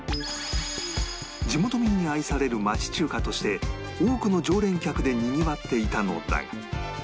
地元民に愛される町中華として多くの常連客でにぎわっていたのだが